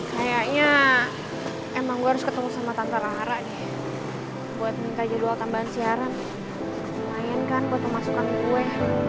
kayaknya emang gue harus ketemu sama tante rara buat minta jadwal tambahan siaran lumayan kan buat masukkan gue